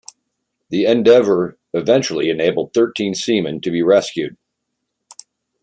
The endeavour eventually enabled thirteen seamen to be rescued.